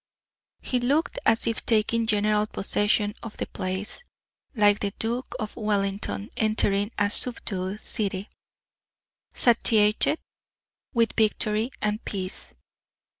He looked as if taking general possession of the place; like the Duke of Wellington entering a subdued city, satiated with victory and peace.